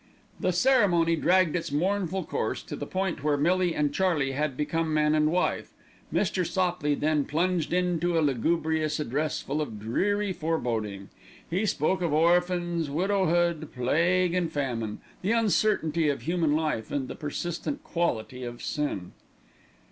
The ceremony dragged its mournful course to the point where Millie and Charlie Dixon had become man and wife. Mr. Sopley then plunged into a lugubrious address full of dreary foreboding. He spoke of orphans, widowhood, plague and famine, the uncertainty of human life and the persistent quality of sin.